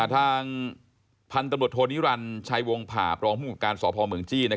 ทางพันธ์ตำลดโทรนิรันดิ์ชัยวงภาพรองทุกรการสพเมืองจี้